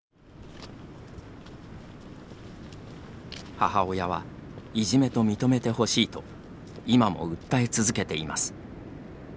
母親はいじめと認めてほしいと今も訴え続けています。